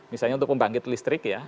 misalnya untuk pembangkit listrik ya